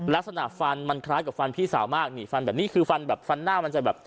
ลักษณะฟันมันคล้ายกับฟันพี่สาวมากนี่ฟันแบบนี้คือฟันแบบฟันหน้ามันจะแบบ